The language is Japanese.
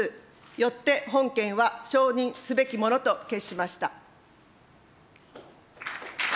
よって本件は承認すべきものと決しました。